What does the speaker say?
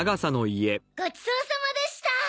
ごちそうさまでした！